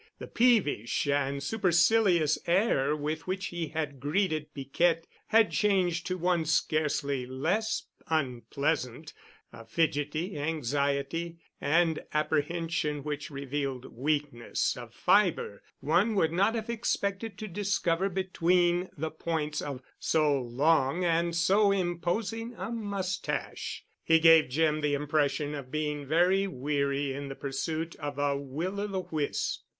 The peevish and supercilious air with which he had greeted Piquette had changed to one scarcely less unpleasant,—a fidgety anxiety and apprehension which revealed weaknesses of fiber one would not have expected to discover between the points of so long and so imposing a mustache. He gave Jim the impression of being very weary in the pursuit of a will o' the wisp.